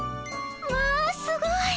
まあすごい。